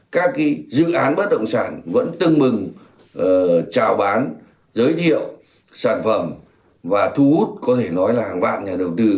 các dự án bất động sản vẫn tương mừng trào bán giới thiệu sản phẩm và thu hút có thể nói là hàng vạn nhà đầu tư